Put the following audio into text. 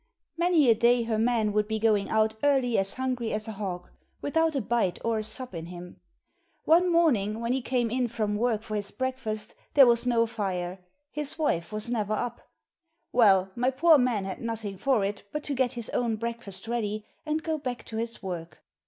Many a day her man would be going out early as hungry as a hawk, without a bite or a sup in him. One morning when he came in from work for his breakfast there was no fire his wife was never up. Well, my poor man had nothing for it but to get his own breakfast ready and go back to his work.